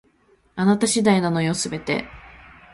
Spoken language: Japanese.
あなた次第なのよ、全て